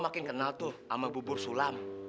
makin kenal tuh sama bubur sulam